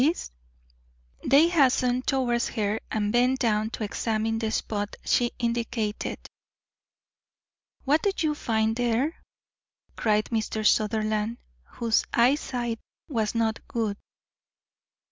They hastened towards her and bent down to examine the spot she indicated. "What do you find there?" cried Mr. Sutherland, whose eyesight was not good.